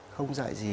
không dạy gì